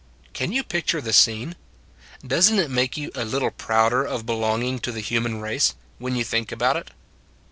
Can you picture the scene? Does n t it make you a little prouder of belonging to the human race, when you think about it?